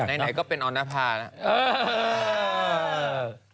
ในไหนก็เป็นออนภานะ